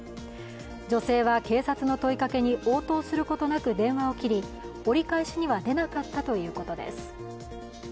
女性は警察の問いかけに応答することなく電話を切り、折り返しには出なかったということです。